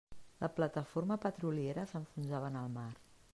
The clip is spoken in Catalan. La plataforma petroliera s'enfonsava en el mar.